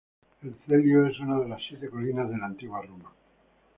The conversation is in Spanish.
El Celio es una de las siete colinas de la antigua Roma.